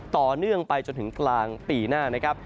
ต่อเนื่องไปจนถึงกลางปีหน้านะครับ